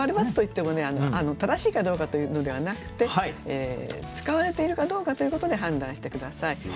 ○×といってもね正しいかどうかというのではなくて使われているかどうかということで判断して下さい。